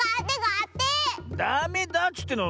ダメだっつってんの！